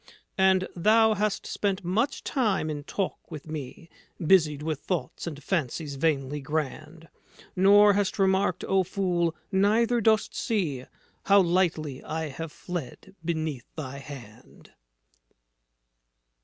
And thou hast spent much time in talk with me Busied with thoughts and fancies vainly grand, Nor hast remarked, O fool, neither dost see How lightly I have fled beneath thy hand."